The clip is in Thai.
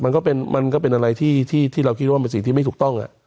มันก็เป็นอะไรที่เราคิดว่ามันเป็นสิ่งที่ไม่ถูกต้อง